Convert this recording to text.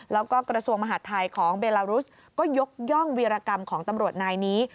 แล้วก็กระทรวงมหาดไทยของเบลารุสก็ยกย่องวีรกรรมของตำรวจนายนี้